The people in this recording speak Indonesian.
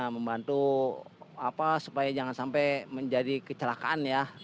membantu supaya jangan sampai menjadi kecelakaan ya